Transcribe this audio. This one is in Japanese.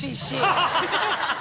ハハハハ！